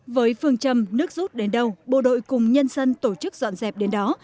với phương châm nước rút đến đâu bộ đội cùng nhân dân tổ chức dọn dẹp đến đó